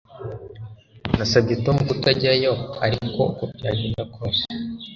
Nasabye Tom kutajyayo ariko uko byagenda kose